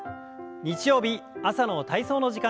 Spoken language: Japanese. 日曜日朝の体操の時間です。